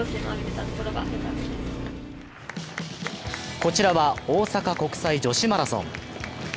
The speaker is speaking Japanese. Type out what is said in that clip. こちらは大阪国際女子マラソン。